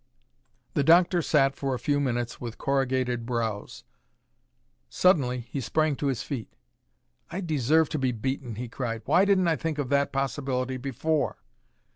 The doctor sat for a few minutes with corrugated brows. Suddenly he sprang to his feet. "I deserve to be beaten," he cried. "Why didn't I think of that possibility before?"